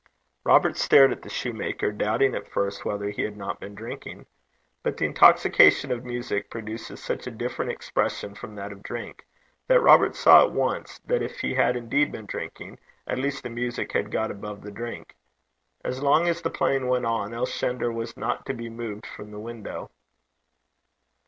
Robert stared at the soutar, doubting at first whether he had not been drinking. But the intoxication of music produces such a different expression from that of drink, that Robert saw at once that if he had indeed been drinking, at least the music had got above the drink. As long as the playing went on, Elshender was not to be moved from the window.